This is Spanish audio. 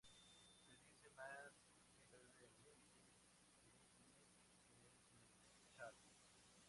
Se dice más bien brevemente "Leibniz-Gemeinschaft".